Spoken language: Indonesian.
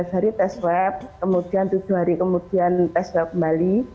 empat belas hari tes web kemudian tujuh hari kemudian tes swab kembali